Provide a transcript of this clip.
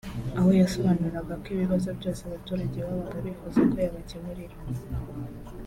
aho yasobanuraga ko ibibazo byose abaturage babaga bifuza ko yabacyemurira